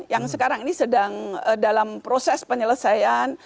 yang sekarang ini sedang dalam proses penyelesaian